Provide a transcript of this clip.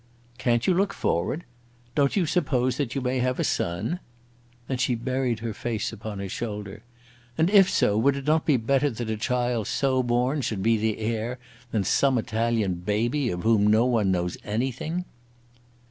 "Can't you look forward? Don't you suppose that you may have a son?" Then she buried her face upon his shoulder. "And if so, would it not be better that a child so born should be the heir, than some Italian baby, of whom no one knows anything?"